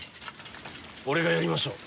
俺がやりましょう。